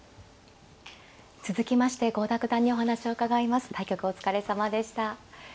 続きまして郷田九段にお話を伺います。